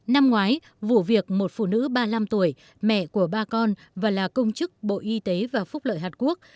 năm ngoái vụ việc một phụ nữ ba mươi năm tuổi mẹ của ba con và là công chức bộ y tế và phúc lợi hàn quốc